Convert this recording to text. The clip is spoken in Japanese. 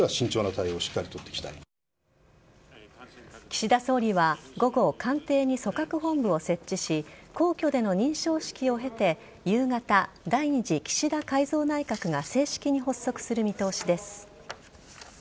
岸田総理は午後官邸に組閣本部を設置し皇居での認証式を経て、夕方第２次岸田改造内閣が正式に発足する見通しです。